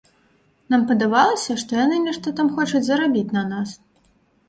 Нам падавалася, што яны нешта там хочуць зарабіць на нас.